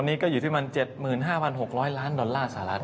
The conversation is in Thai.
นี่ก็อยู่ที่มัน๗๕๖๐๐ล้านดอลลาร์สหรัฐ